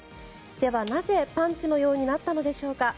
では、なぜパンチのようになったのでしょうか。